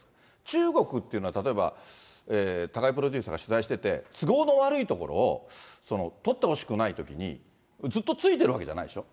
中国っていうのは、例えば高井プロデューサーが取材してて、都合の悪いところを撮ってほしくないときに、ずっとついてるわけじゃないでしょ？